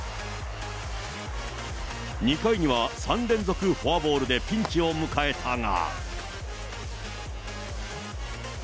２回には３連続フォアボールでピンチを迎えたが。